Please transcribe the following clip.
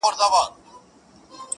اوس په ځان پوهېږم چي مين يمه.